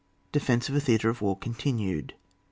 DEFENCE OF A THEATRE OF WAR— (oontdtubd).